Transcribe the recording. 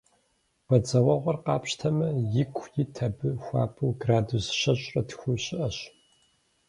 Бадзэуэгъуэр къапщтэмэ, ику иту абы хуабэу градус щэщӏрэ тху щыӏэщ.